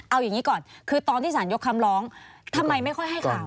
เอาอย่างนี้ก่อนคือตอนที่สารยกคำร้องทำไมไม่ค่อยให้ข่าว